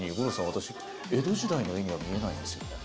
私江戸時代の絵には見えないんですよね。